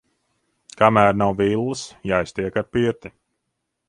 Kamēr nav villas, jāiztiek ar pirti.